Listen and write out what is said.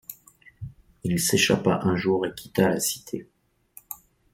Il s'échappa un jour et quitta la cité.